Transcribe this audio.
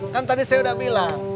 kan tadi saya udah bilang